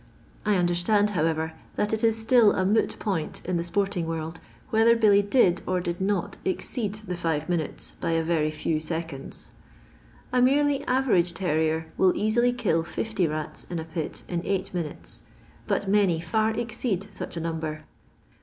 I ander stand, however, that it is still a moot point in the sporting worid, whether Billy did or did not exceed the five minutes by a very few seeonds. A merely average terrier will easily kill fifty rats in a pit in eight minutes, but many far exceed snch a number.